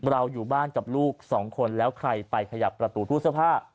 อยู่บ้านกับลูกสองคนแล้วใครไปขยับประตูตู้เสื้อผ้า